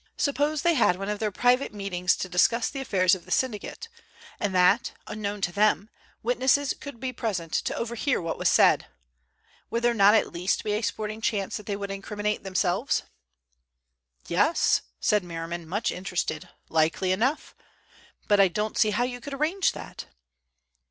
Suppose they had one of their private meetings to discuss the affairs of the syndicate, and that, unknown to them, witnesses could be present to overhear what was said. Would there not at least be a sporting chance that they would incriminate themselves?" "Yes!" said Merriman, much interested. "Likely enough. But I don't see how you could arrange that."